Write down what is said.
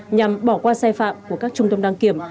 nhằm bỏ qua sai phạm của các trung tâm đăng kiểm